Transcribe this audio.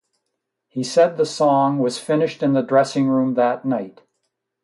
He said the song was finished in the dressing room that night.